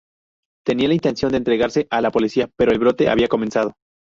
Tenía la intención de entregarse a la policía, pero el brote había comenzado.